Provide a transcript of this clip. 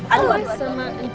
eh tunggu tunggu